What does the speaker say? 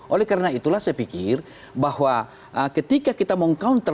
oleh karena itulah saya pikir bahwa ketika kita meng counter